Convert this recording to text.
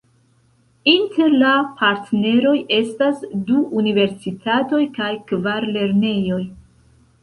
Inter la partneroj estas du universitatoj kaj kvar lernejoj.